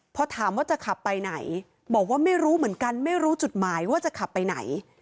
พอถามว่าจะขับไปไหนบอกว่าไม่รู้เหมือนกันไม่รู้จุดหมายว่าจะขับไปไหน